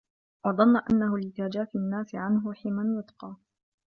وَظَنَّ أَنَّهُ لِتَجَافِي النَّاسِ عَنْهُ حِمًى يُتَّقَى